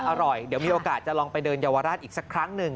อร่อยเดี๋ยวมีโอกาสจะลองไปเดินเยาวราชอีกสักครั้งหนึ่ง